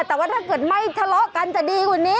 แต่ว่าถ้าเกิดไม่ทะเลาะกันจะดีกว่านี้